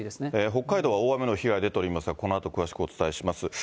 北海道は大雨の被害が出ておりますが、このあと詳しくお伝えします。